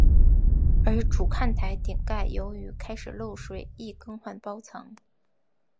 而主看台顶盖由于开始漏水亦更换包层。